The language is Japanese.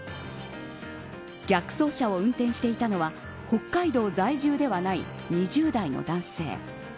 逆走車を運転していたのは北海道在住ではない２０代の男性。